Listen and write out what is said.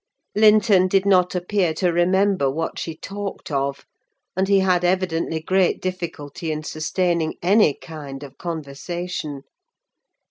Linton did not appear to remember what she talked of; and he had evidently great difficulty in sustaining any kind of conversation.